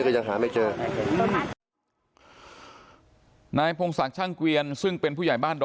ครับเขาออกไปช่วงกี่โมงครับรู้มั้ยครับ